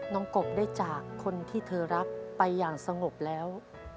กบได้จากคนที่เธอรักไปอย่างสงบแล้ว